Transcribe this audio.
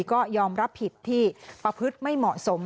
ก็ยอมรับผิดที่ประพฤติไม่เหมาะสม